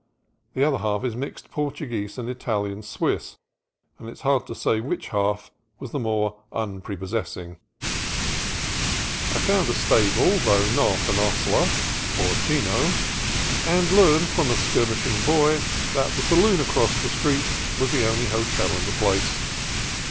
The other half is mixed Portuguese and Italian Swiss, and it was hard to say which half was the more unprepossessing. I found a stable, though not a hostler, for Chino, and learned from a skirmishing boy that the saloon across the street was the only hotel in the place.